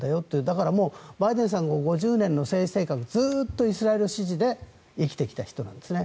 だから、バイデンさん５０年の政治生活ずっとイスラエル支持で生きてきた人なんですね。